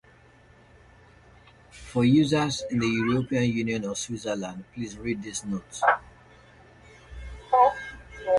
For users in the European Union or Switzerland, please read this note.